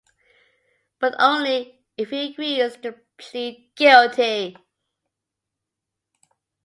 But only if he agrees to plead guilty.